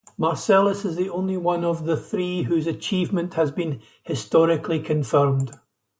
Marcellus is the only one of the three whose achievement has been historically confirmed.